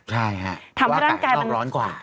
ใช่ค่ะเพราะว่ากล้องร้อนกว่า